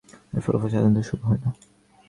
এর ফলাফল সাধারণত শুভ হয় না।